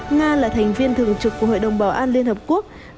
nga là thành viên thường trực của hội đồng bảo an liên hợp quốc g hai mươi apec